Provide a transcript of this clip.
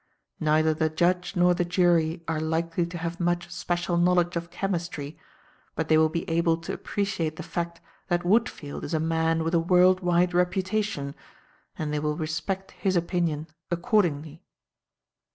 Neither the judge nor the jury are likely to have much special knowledge of chemistry, but they will be able to appreciate the fact that Woodfield is a man with a world wide reputation, and they will respect his opinion accordingly."